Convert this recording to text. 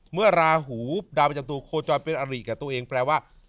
เมื่อราหูดาวประจำตัวโคจรเป็นอริกับตัวเองแปลว่า